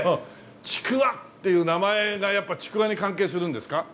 「ちくわ」っていう名前がやっぱちくわに関係するんですか？